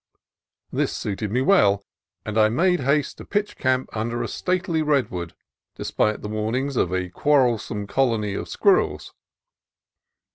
This suited me well, and I made haste to pitch camp under a stately redwood, de spite the warnings of a quarrelsome colony of squir rels.